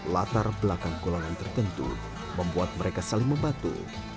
latar belakang golongan tertentu membuat mereka saling membantu